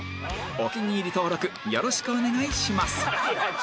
お気に入り登録よろしくお願いします